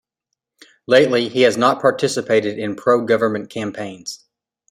Lately, he has not participated in pro-government campaigns.